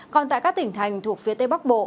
còn tại các tỉnh thành thuộc phía tây bắc bộ